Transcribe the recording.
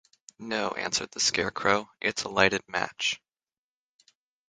"No," answered the Scarecrow; "it's a lighted match."